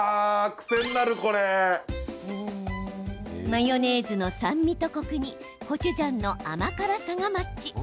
マヨネーズの酸味とコクにコチュジャンの甘辛さがマッチ。